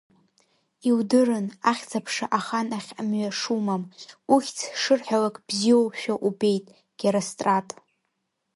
Иудырын ахьӡ-аԥша ахан ахь мҩа шумам, ухьӡ шырҳәалак бзиоушәа убеит, Герострат!